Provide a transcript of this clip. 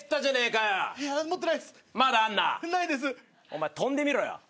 お前とんでみろよ。